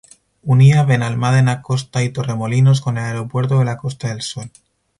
Unía Benalmádena Costa y Torremolinos con el Aeropuerto de la Costa del Sol.